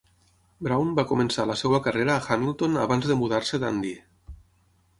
Brown va començar la seva carrera a Hamilton abans de mudar-se Dundee.